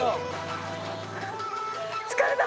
疲れた！